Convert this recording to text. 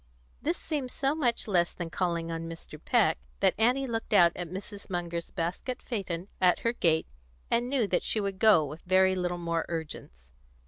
This seemed so much less than calling on Mr. Peck that Annie looked out at Mrs. Munger's basket phaeton at her gate, and knew that she would go with very little more urgence.